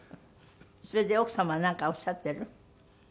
それで奥様はなんかおっしゃっている？